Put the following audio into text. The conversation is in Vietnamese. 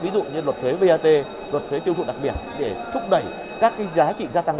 ví dụ như luật thuế vat luật thuế tiêu thụ đặc biệt để thúc đẩy các giá trị gia tăng